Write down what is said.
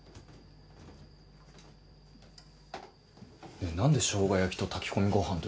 ねえ何でしょうが焼きと炊き込みご飯とギョーザなの？